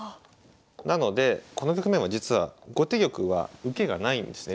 なのでこの局面は実は後手玉は受けがないんですね。